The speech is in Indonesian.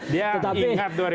dia ingat dua ribu sembilan